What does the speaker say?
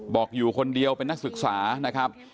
บอกอยู่คนเดียวเป็นนักศึกษานะครับ